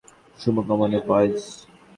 শুভ কামনা, বয়েজ!